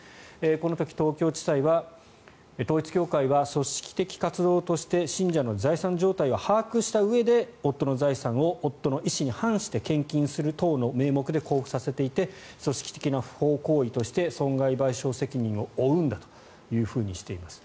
この時、東京地裁は統一教会は組織的活動として信者の財産状態を把握したうえで夫の財産を夫の意思に反して献金する等の名目で交付させていて組織的な不法行為として損害賠償責任を負うんだとしています。